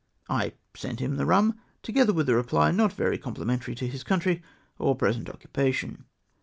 I I sent him the rum, together with a reply not very comphmentary to his country or present occupation.